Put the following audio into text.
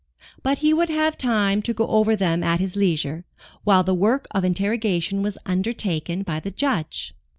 But he would have time to go over them at his leisure, while the work of interrogation was undertaken by the Judge.